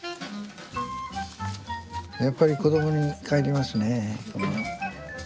やっぱり子どもに帰りますね